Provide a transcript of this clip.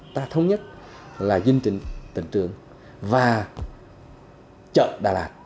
ta thống nhất là diện tịnh trưởng và chợ đà lạt